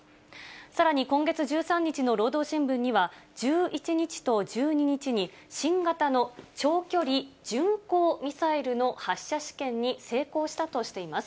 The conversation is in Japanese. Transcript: さらに今月１３日の労働新聞には、１１日と１２日に、新型の長距離巡航ミサイルの発射試験に成功したとしています。